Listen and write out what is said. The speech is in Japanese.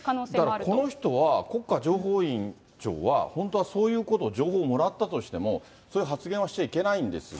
だからこの人は国家情報院長は、本当はそういうこと情報もらったとしても、そういう発言はしちゃいけないんですが。